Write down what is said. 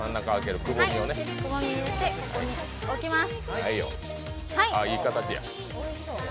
くぼみ入れてここに置きます。